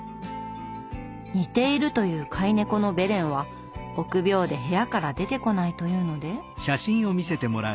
似ているという飼い猫のベレンは臆病で部屋から出てこないというので。